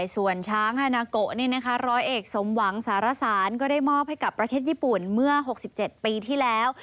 ส่วนช้างฮานาโกะร้อยเอกสมหวังสารสารก็ได้มอบให้กับประเทศญี่ปุ่นเมื่อ๖๗ปีที่แล้ว